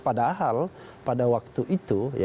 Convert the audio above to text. padahal pada waktu itu